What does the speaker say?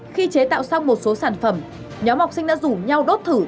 khi chế tạo xong một số sản phẩm nhóm học sinh đã rủ nhau đốt thử